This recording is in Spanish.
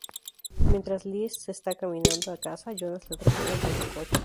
Mientras Les está caminando a casa, Jonas le atropella con su coche.